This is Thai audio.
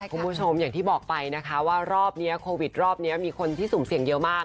คุณผู้ชมอย่างที่บอกไปนะคะว่ารอบนี้โควิดรอบนี้มีคนที่สุ่มเสี่ยงเยอะมาก